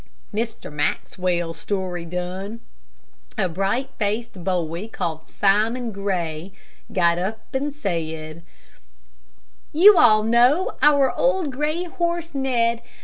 Mr. Maxwell's story done, a bright faced boy, called Simon Grey, got up and said: "You all know our old gray horse Ned.